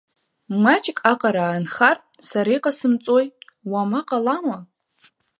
Маҷк аҟара аанхар, сара иҟасымҵои, уама ҟалама?